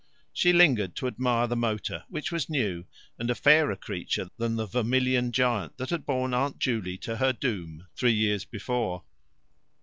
She lingered to admire the motor, which was new and a fairer creature than the vermilion giant that had borne Aunt Juley to her doom three years before.